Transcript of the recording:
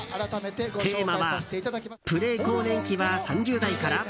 テーマはプレ更年期は３０代から！？